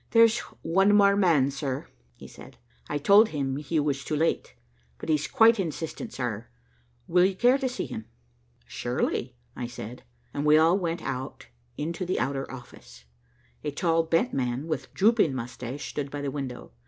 "There's one man more, sir," he said, "I told him he was too late, but he's quite insistent, sir. Will you care to see him?" "Surely," I said, and we all went out into the outer office. A tall, bent man with drooping mustache stood by the window.